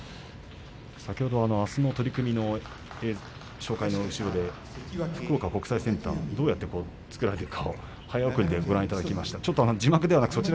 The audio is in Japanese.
先ほどあすの取組の紹介の後ろで福岡国際センターがどういうふうにできたかをご覧いただきました。